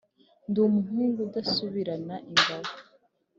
Ndi umuhungu udasubirana ingabo.